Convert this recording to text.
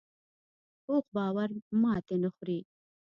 پوخ باور ماتې نه خوري